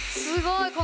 すごい！